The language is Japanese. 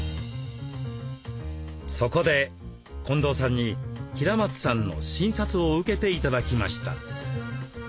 そこで近藤さんに平松さんの診察を受けて頂きました。